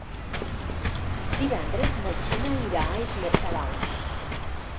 Divendres na Gina irà a Es Mercadal.